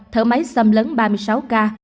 thở máy xâm lấn ba mươi sáu ca